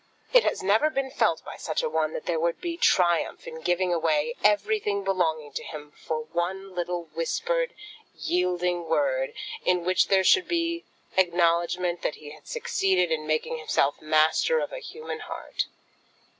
It has never been felt by such a one that there would be triumph in giving away everything belonging to him for one little whispered, yielding word, in which there should be acknowledgment that he had succeeded in making himself master of a human heart.